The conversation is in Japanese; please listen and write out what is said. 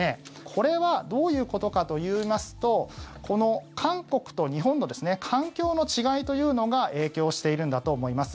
これはどういうことかといいますと韓国と日本の環境の違いというのが影響しているんだと思います。